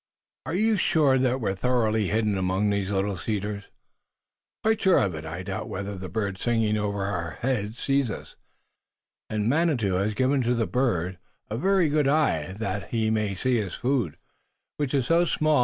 "And you're sure that we're thoroughly hidden among these little cedars?" "Quite sure of it. I doubt whether the bird singing over our heads sees us, and Manitou has given to the bird a very good eye that he may see his food, which is so small.